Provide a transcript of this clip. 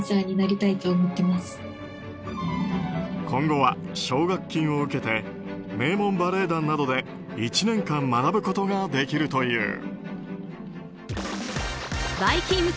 今後は、奨学金を受けて名門バレエ団などで１年間学ぶことができるという。